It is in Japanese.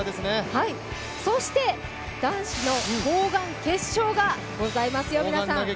そして男子の砲丸、決勝がございますよ。